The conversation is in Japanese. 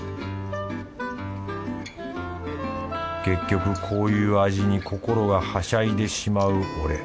結局こういう味に心がはしゃいでしまう俺